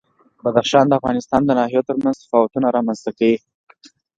بدخشان د افغانستان د ناحیو ترمنځ تفاوتونه رامنځ ته کوي.